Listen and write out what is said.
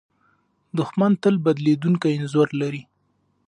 دښمن تل بدلېدونکی انځور لري.